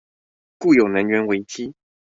故有能源危機